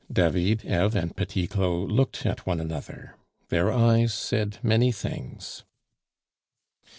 David, Eve, and Petit Claud looked at one another; their eyes said many things.